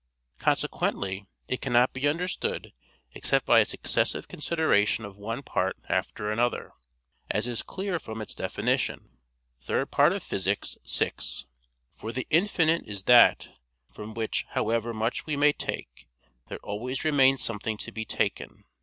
Consequently it cannot be understood except by a successive consideration of one part after another, as is clear from its definition (Phys. iii, 6): for the infinite is that "from which, however much we may take, there always remains something to be taken."